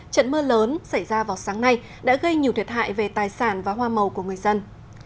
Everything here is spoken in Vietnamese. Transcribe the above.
trận mưa lớn xảy ra vào sáng nay đã gây nhiều thiệt hại về tài sản và hoa màu của người dân